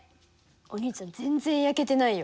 お兄ちゃん全然焼けてないよ。